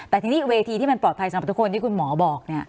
แต่ทีนี้เวทีที่มันปลอดภัยสำหรับทุกคนที่คุณหมอบอก